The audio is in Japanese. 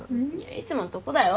いつものとこだよ。